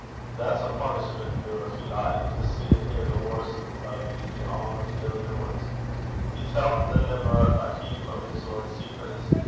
That's a punishment noo, gin ye like to see and hear the warst o' yer ain ill doin's. He tellt the limmer a heap o' his lord's secrets.